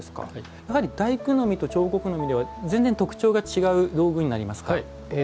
やはり大工ノミと彫刻ノミでは全然、特徴が違う道具になりますか。